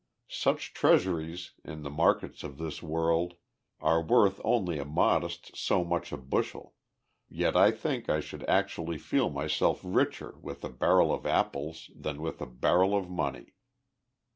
Such treasuries, in the markets of this world, are worth only a modest so much a bushel, yet I think I should actually feel myself richer with a barrel of apples than with a barrel of money.